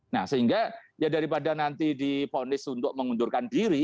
nah sehingga ya daripada nanti diponis untuk mengundurkan diri